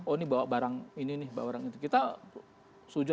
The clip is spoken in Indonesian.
oh ini bawa barang ini bawa barang itu